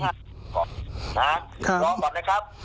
นะครับรอก่อนนะครับ